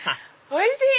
おいしい！